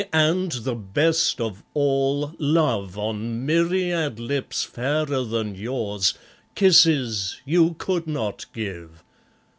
and the best of all, Love, on myriad lips fairer than yours, kisses you could not give!